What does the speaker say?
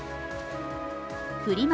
フリマ